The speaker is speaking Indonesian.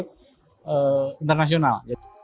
dan standar internasional